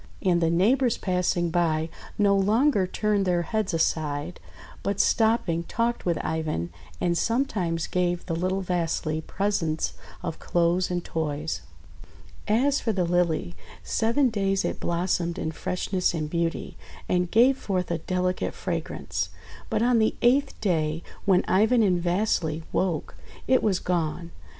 And the neighbours passing by no longer turned their heads aside, but stopping talked with Ivan, and sometimes gave the little Vasily presents of clothes and toys. As for the Lily, seven days it blossomed in freshness and beauty, and gave forth a delicate fragrance; but on the eighth day, when Ivan and Vasily woke, it was gone.